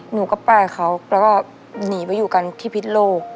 หนูก็ไปเขาแล้วก็หนีไปอยู่กันที่พิษโลก